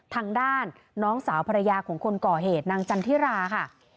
ทางด้านน้องสาวภรรยาของคนก่อเหตุนางจันทิราค่ะ